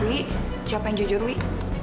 wih jawab yang jujur wih